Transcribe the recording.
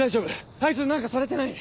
あいつに何かされてない？